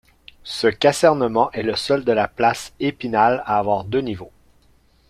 Ce casernement est le seul de la place d’Épinal à avoir deux niveaux.